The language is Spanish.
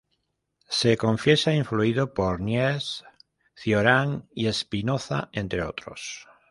Se confiesa influido por Nietzsche, Cioran y Spinoza, entre otros.